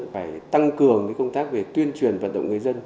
phải tăng cường công tác về tuyên truyền vận động người dân